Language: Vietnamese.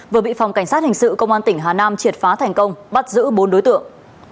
vừa bị phòng cảnh sát hình sự công an tỉnh hà nam triệt phá thành công bắt giữ bốn đối tượng